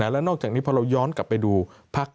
แล้วนอกจากนี้พอเราย้อนกลับไปดูพัก